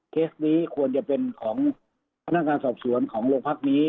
เคสนี้ควรจะเป็นของพนักงานสอบสวนของโรงพักนี้